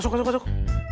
asuk asuk asuk